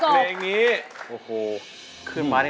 เป็นไงครับเพลงนี้